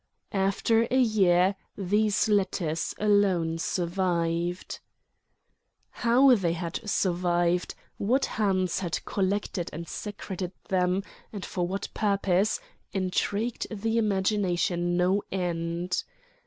After a year these letters alone survived ... How they had survived, what hands had collected and secreted them, and for what purpose, intrigued the imagination no end.